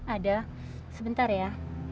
ada sebentar ya